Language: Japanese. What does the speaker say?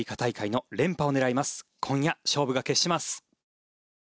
今夜勝負が決します。